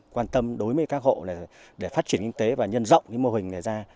quan tâm đối với các hộ để phát triển kinh tế và nhân rộng mô hình này ra